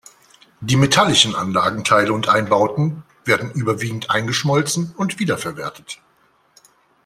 Die metallischen Anlagenteile und Einbauten werden überwiegend eingeschmolzen und wiederverwertet.